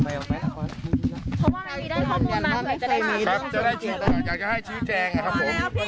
ไม่ได้ข้อมูลมาไม่ได้ข้อมูลมาอยากจะให้ชี้แจงอ่ะครับผมพอแล้วพี่พอแล้วพอแล้ว